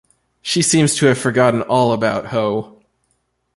She seems to have forgotten all about Ho.